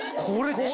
これ。